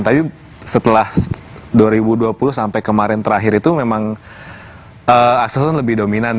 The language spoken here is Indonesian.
tapi setelah dua ribu dua puluh sampai kemarin terakhir itu memang aksesnya lebih dominan